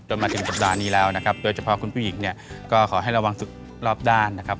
มาถึงสัปดาห์นี้แล้วนะครับโดยเฉพาะคุณผู้หญิงเนี่ยก็ขอให้ระวังสุดรอบด้านนะครับ